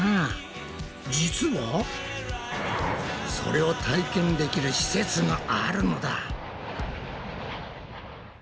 実はそれを体験できる施設があるのだ。